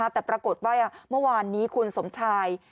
แต่ปรากฏว่าเมื่อวานนี้คุณสมชาย